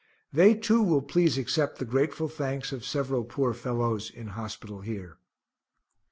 They too will please accept the grateful thanks of several poor fellows, in hospital here.